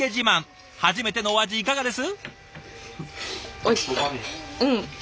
初めてのお味いかがです？